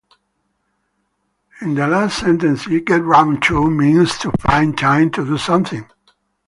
In the last sentence, "get round to" means to find time to do something.